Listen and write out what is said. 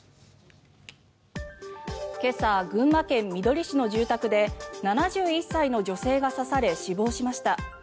今朝群馬県みどり市の住宅で７１歳の女性が刺され死亡しました。